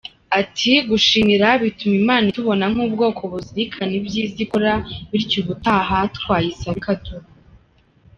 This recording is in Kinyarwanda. Ati “Gushimira bituma Imana itubona nk’ubwoko buzirikana ibyiza ikora bityo ubutaha twayisaba ikaduha.